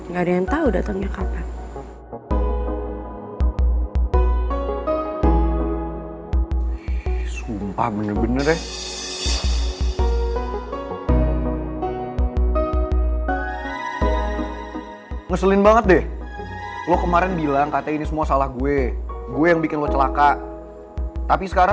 gak ada yang tau datangnya kapan